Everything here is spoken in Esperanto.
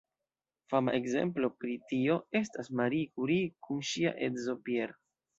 Fama ekzemplo pri tio estas Marie Curie kun ŝia edzo Pierre.